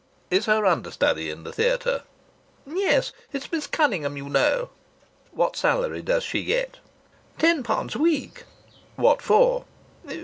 "Is her understudy in the theatre?" "Yes. It's Miss Cunningham, you know." "What salary does she get?" "Ten pounds a week." "What for?"